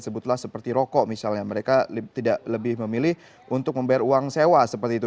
sebutlah seperti rokok misalnya mereka tidak lebih memilih untuk membayar uang sewa seperti itu